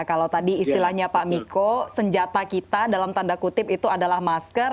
kalau tadi istilahnya pak miko senjata kita dalam tanda kutip itu adalah masker